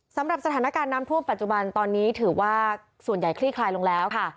สำหรับสถานการณ์น้ำท่วมปัจจุบันตอนนี้ถือว่าส่วนใหญ่คลี่คลายลงแล้วค่ะ